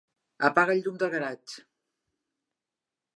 Apaga el llum del garatge.